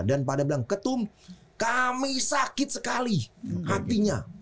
dan pada bilang ketum kami sakit sekali hatinya